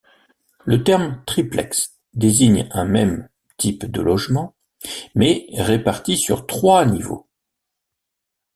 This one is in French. Le terme triplex désigne un même type de logement, mais réparti sur trois niveaux.